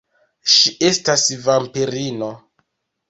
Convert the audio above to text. Ŝi estas vampirino.